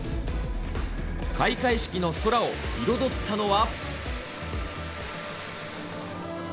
開会式の空を彩ったのは。